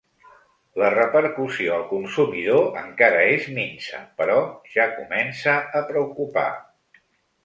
La repercussió al consumidor encara és minsa, però ja comença a preocupar.